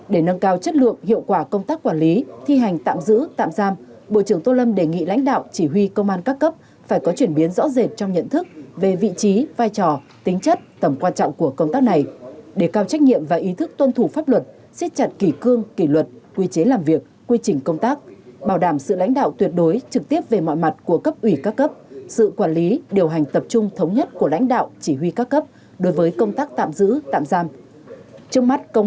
để nâng cao chất lượng hiệu quả công tác quản lý thi hành tạm giữ tạm giam bộ trưởng tô lâm đề nghị lãnh đạo chỉ huy công an các cấp phải có chuyển biến rõ rệt trong nhận thức về vị trí vai trò tính chất tầm quan trọng của công tác này để cao trách nhiệm và ý thức tuân thủ pháp luật xếp chặt kỷ cương kỷ luật quy chế làm việc quy trình công tác bảo đảm sự lãnh đạo tuyệt đối trực tiếp về mọi mặt của cấp ủy các cấp sự quản lý điều hành tập trung thống nhất của lãnh đạo chỉ huy